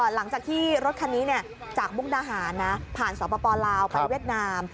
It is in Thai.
หลังจากที่รถคันนี้จากมุกดาหารนะผ่านสปลาวไปเวียดนาม